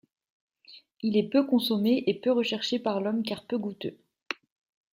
Il est peu consommé et peu recherché par l'homme car peu goûteux.